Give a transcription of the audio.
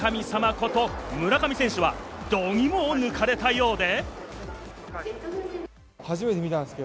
こと、村上選手は度肝を抜かれたようで。